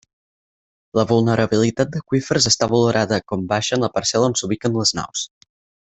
La vulnerabilitat d'aqüífers està valorada com baixa en la parcel·la on s'ubiquen les naus.